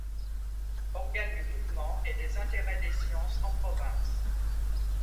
Organe du mouvement et des intérêts des sciences en province.